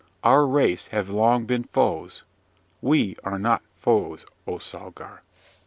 Our race have long been foes: we are not foes, O Salgar!